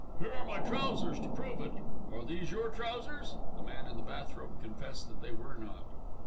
"Here are my trousers to prove it. Are these your trousers?" The man in the bath robe confessed that they were not.